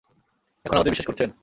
এখন আমাদের বিশ্বাস করছেন?